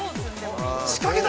◆仕掛けた！